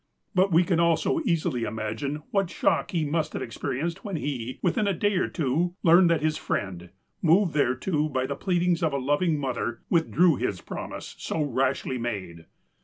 But we can also easily imagine what shock he must have experienced when he, within a day or two, learned that his friend, moved thereto by the pleadings of a lov ing mother, withdrew his promise, so rashly made.